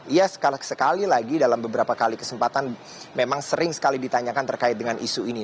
ia sekali lagi dalam beberapa kali kesempatan memang sering sekali ditanyakan terkait dengan isu ini